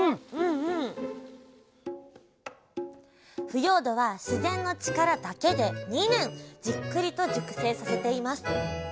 腐葉土は自然の力だけで２年じっくりと熟成させています。